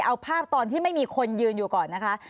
เอาภาพตอนที่ไม่มีคนยืนอยู่ก่อนนะคะ